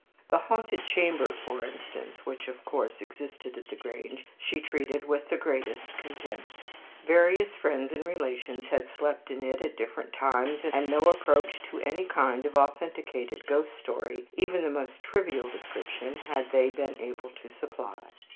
The haunted chamber, for instance which, of course, existed at the Grange she treated with the greatest contempt. Various friends and relations had slept in it at different times, and no approach to any kind of authenticated ghost story, even of the most trivial description, had they been able to supply.